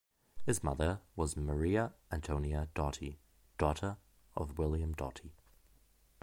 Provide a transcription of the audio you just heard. His mother was Maria Antonia Doughty, daughter of William Doughty.